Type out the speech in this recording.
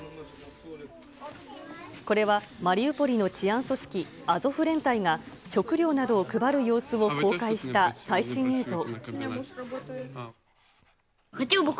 これはマリウポリの治安組織、アゾフ連隊が食料などを配る様子を公開した最新映像。